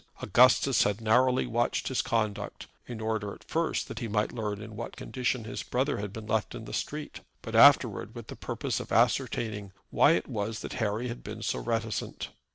Augustus had narrowly watched his conduct, in order at first that he might learn in what condition his brother had been left in the street, but afterward with the purpose of ascertaining why it was that Harry had been so reticent.